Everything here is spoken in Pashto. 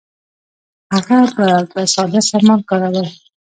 هغه به په ساده سامان کار کاوه.